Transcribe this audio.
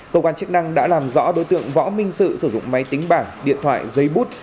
công an chức năng đã làm rõ đối tượng võ minh sự sử dụng máy tính bảng điện thoại giấy bút